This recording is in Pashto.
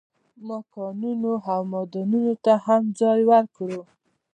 ما کانونو او معادنو ته هم ځای ورکړ.